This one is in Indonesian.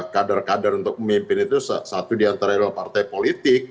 kadar kadar untuk pemimpin itu satu diantara partai politik